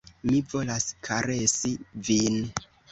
Mi volas karesi vin